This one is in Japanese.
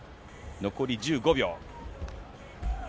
残り１５秒。